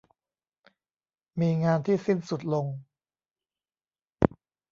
มีงานที่สิ้นสุดลง